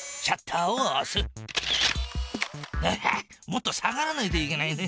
もっと下がらないといけないな。